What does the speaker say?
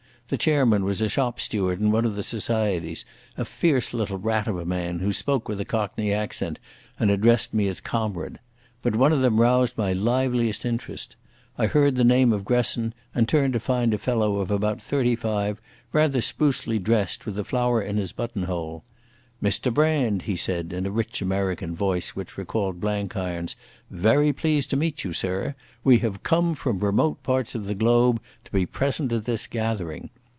The chairman was a shop steward in one of the Societies, a fierce little rat of a man, who spoke with a cockney accent and addressed me as "Comrade". But one of them roused my liveliest interest. I heard the name of Gresson, and turned to find a fellow of about thirty five, rather sprucely dressed, with a flower in his buttonhole. "Mr Brand," he said, in a rich American voice which recalled Blenkiron's. "Very pleased to meet you, sir. We have come from remote parts of the globe to be present at this gathering."